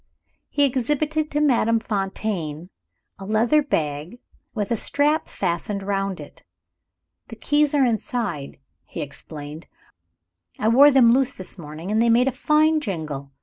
He exhibited to Madame Fontaine a leather bag, with a strap fastened round it. "The keys are inside," he explained. "I wore them loose this morning: and they made a fine jingle.